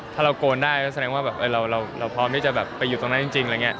ถ้าเรากลได้แสดงว่าเรพร้อมที่จะไปอยู่ตรงนั้นจริง